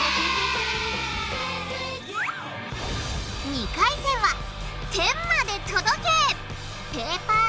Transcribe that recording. ２回戦は天まで届け！